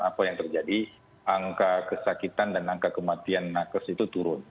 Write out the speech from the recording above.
apa yang terjadi angka kesakitan dan angka kematian nakes itu turun